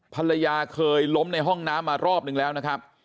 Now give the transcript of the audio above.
ภรรยาเคยล้มในห้องน้ำมารอบนึงแล้วนะครับ